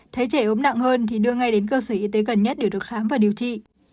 thấy trẻ ốm nặng hơn thì đưa ngay đến cơ sở y tế gần nhất để được khám và điều trị